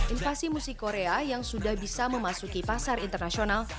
invasi musik korea yang sudah bisa memasuki pasar internasional